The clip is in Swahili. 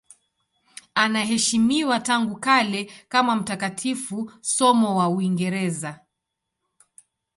Anaheshimiwa tangu kale kama mtakatifu, somo wa Uingereza.